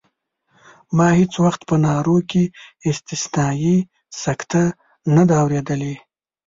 ما هېڅ وخت په نارو کې استثنایي سکته نه ده اورېدلې.